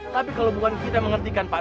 tapi kalau bukan kita yang menghentikan pak